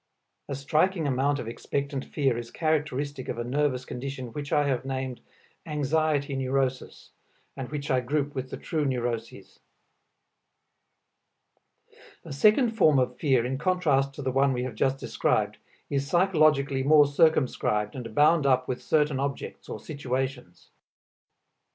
A striking amount of expectant fear is characteristic of a nervous condition which I have named "anxiety neurosis," and which I group with the true neuroses. A second form of fear in contrast to the one we have just described is psychologically more circumscribed and bound up with certain objects or situations.